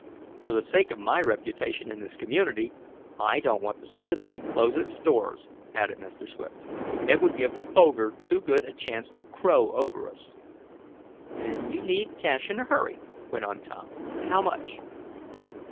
"And for the sake of my reputation in this community I don't want to see the bank close its doors," added Mr. Swift. "It would give Foger too good a chance to crow over us." "And you need cash in a hurry," went on Tom. "How much?"